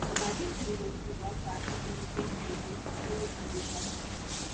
The batteries were removed and brought back to "Princeton" for maintenance, cleaning and recharging.